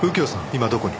今どこに？